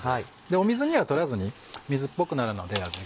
水には取らずに水っぽくなるので味が。